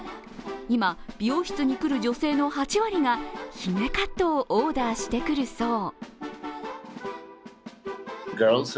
今、美容室に来る女性の８割が姫カットをオーダーしてくるそう。